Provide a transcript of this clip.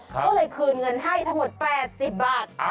ก็เลยคืนเงินให้ทั้งหมด๘๐บาท